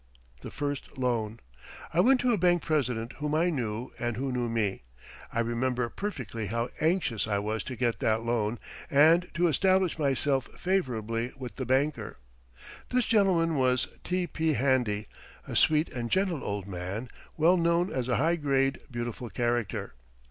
THE FIRST LOAN I went to a bank president whom I knew, and who knew me. I remember perfectly how anxious I was to get that loan and to establish myself favourably with the banker. This gentleman was T.P. Handy, a sweet and gentle old man, well known as a high grade, beautiful character.